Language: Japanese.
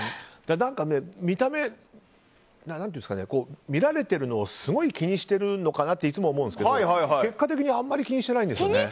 何か見られてるのをすごい気にしてるのかなっていつも思うんですけど結果的にあんまり気にしてないんですよね。